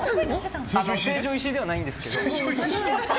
成城石井ではないんですけど。